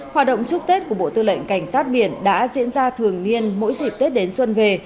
hoạt động chúc tết của bộ tư lệnh cảnh sát biển đã diễn ra thường niên mỗi dịp tết đến xuân về